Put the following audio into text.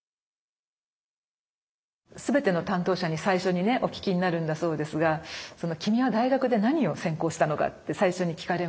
全ての担当者に最初にねお聞きになるんだそうですが「君は大学で何を専攻したのか」って最初に聞かれまして。